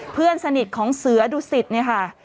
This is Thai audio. เพื่อนสนิทของเสือดุสิตเนี่ยค่ะ